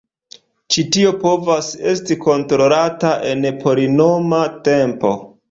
Ĉi tio povas esti kontrolata en polinoma tempo.